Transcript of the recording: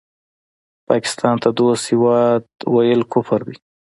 پاکستان ته دوست هېواد وویل کفر دی